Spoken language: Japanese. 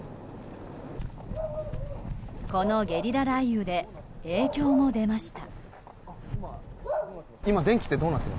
このゲリラ雷雨で影響も出ました。